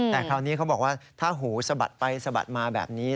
แต่คราวนี้เขาบอกว่าถ้าหูสะบัดไปสะบัดมาแบบนี้